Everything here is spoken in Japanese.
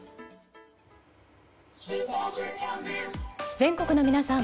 全国の皆さん